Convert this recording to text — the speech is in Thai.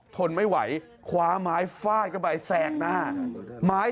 ทนไม่ไหวขวาม้ายฟาดกันไป